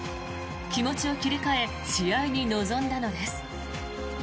気持ちを切り替え試合に臨んだのです。